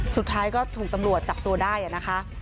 สุดท้ายก็ถูกตำรวจจับตัวได้นะคะ